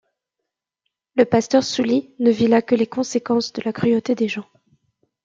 Le pasteur Soulis ne vit là que les conséquences de la cruauté des gens.